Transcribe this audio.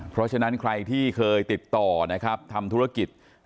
เพราะฉะนั้นใครที่เคยติดต่อนะครับทำธุรกิจ